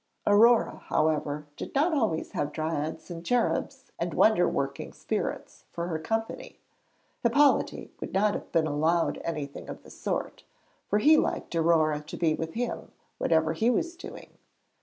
Aurore, however, did not always have dryads and cherubs and wonder working spirits for company; Hippolyte would not have allowed anything of the sort, for he liked Aurore to be with him, whatever he was doing.